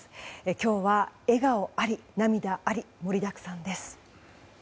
今日は笑顔あり、涙あり盛りだくさんです。